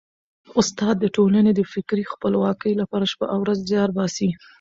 استاد د ټولني د فکري خپلواکۍ لپاره شپه او ورځ زیار باسي.